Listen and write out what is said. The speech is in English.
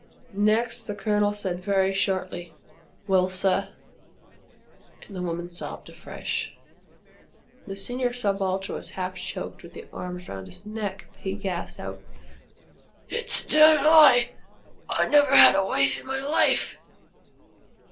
Next the Colonel said, very shortly: "Well, Sir?" and the woman sobbed afresh. The Senior Subaltern was half choked with the arms round his neck, but he gasped out: "It's a d d lie! I never had a wife in my life!"